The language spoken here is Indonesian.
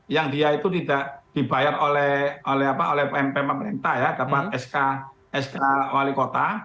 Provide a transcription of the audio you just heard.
yang dia itu tidak dibayar oleh mp pemerintah ya dapat sk wali kota